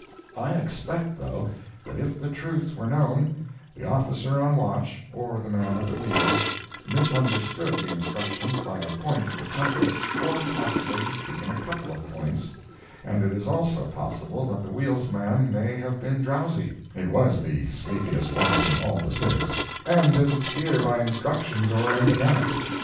I expect, though, that if the truth were known, the officer on watch, or the man at the wheel, misunderstood the instructions by a point of the compass, or possibly even a couple of points; and it is also possible that the wheelsman may have been drowsy (it was the sleepiest watch in all the six), and didn't steer by instructions or anything else.